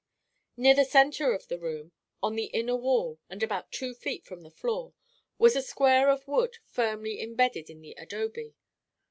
Near the center of the room, on the inner wall and about two feet from the floor, was a square of wood firmly embedded in the adobe.